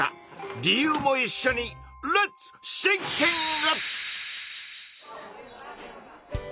理由もいっしょにレッツシンキング！